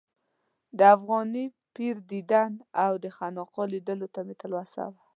د افغاني پیر دیدن او د خانقا لیدلو ته مې تلوسه وه.